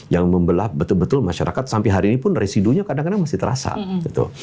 yang membelah betul betul masyarakat sampai hari ini pun residunya kadang kadang masih terasa gitu